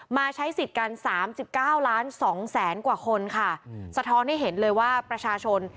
มาใช้สิทธิ์กันสามสิบเก้าล้านสองแสนกว่าคนค่ะสะท้อนให้เห็นเลยว่าประชาชน